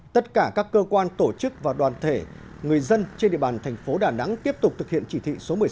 tất cả các cơ quan tổ chức và đoàn thể người dân trên địa bàn thành phố đà nẵng tiếp tục thực hiện chỉ thị số một mươi sáu